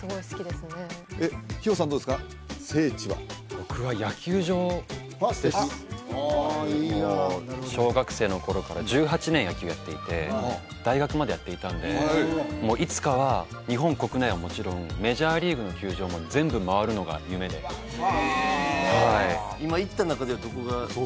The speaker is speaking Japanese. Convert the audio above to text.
僕は野球場・まあ素敵小学生の頃から１８年野球をやっていて大学までやっていたんでもういつかは日本国内はもちろんメジャーリーグの球場も全部回るのが夢で今行った中でどこが？